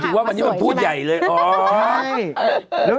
ก็จริงว่ามันนี่มันพูดใหญ่เลยอ๋อ